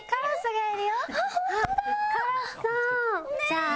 じゃあ。